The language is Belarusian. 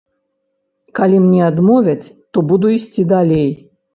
Калі мне адмовяць, то буду ісці далей.